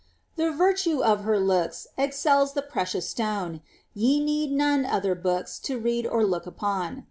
■The virtue of her looks Excels the precious btone; Ye need none other books To read or look upon.